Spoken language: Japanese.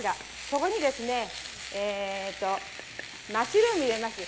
そこにですねマッシュルーム入れます。